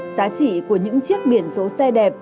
giá trị của những chiếc biển số xe đẹp